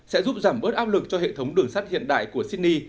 sẽ giúp giảm bớt áp lực cho hệ thống đường sắt hiện đại của sydney